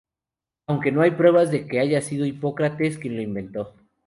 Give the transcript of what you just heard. Aunque no hay pruebas de que haya sido Hipócrates quien lo inventó.